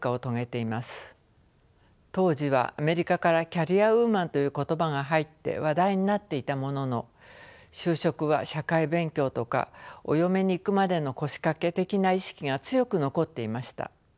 当時はアメリカからキャリアウーマンという言葉が入って話題になっていたものの就職は社会勉強とかお嫁に行くまでの腰かけ的な意識が強く残っていました。